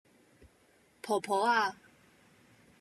婆婆呀......